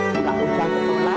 tidak usah menikah